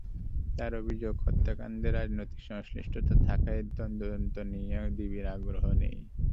তাঁর অভিযোগ, হত্যাকাণ্ডে রাজনৈতিক সংশ্লিষ্টতা থাকায় তদন্ত নিয়ে ডিবির আগ্রহ নেই।